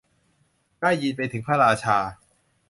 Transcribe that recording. ได้ยินไปถึงพระราชา